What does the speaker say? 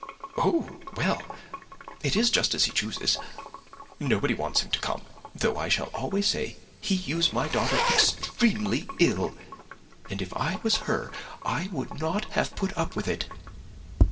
"Oh, well! it is just as he chooses. Nobody wants him to come; though I shall always say that he used my daughter extremely ill; and, if I was her, I would not have put up with it.